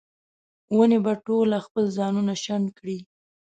ونې به ټوله خپل ځانونه شنډ کړي